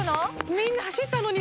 みんな走ったのに。